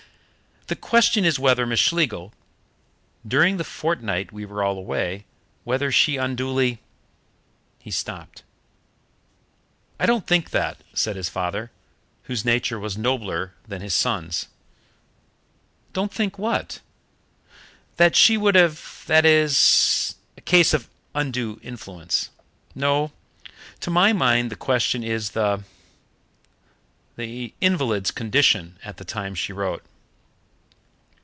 "The question is whether Miss Schlegel, during the fortnight we were all away, whether she unduly " He stopped. "I don't think that," said his father, whose nature was nobler than his son's "Don't think what?" "That she would have that it is a case of undue influence. No, to my mind the question is the the invalid's condition at the time she wrote."